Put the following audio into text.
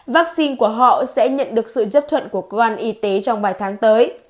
vắc xin của họ sẽ nhận được sự chấp thuận của cơ quan y tế trong vài tháng tới